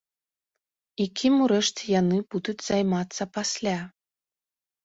І кім урэшце яны будуць займацца пасля?